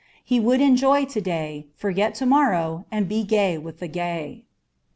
He would enjoy to day, forget to morrow, and be gay with the gay.